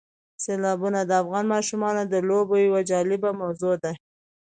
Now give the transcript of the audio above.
سیلابونه د افغان ماشومانو د لوبو یوه جالبه موضوع ده.